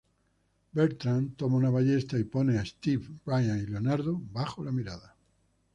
Bertram toma una ballesta y pone a Stewie, Brian y Leonardo bajo la mira.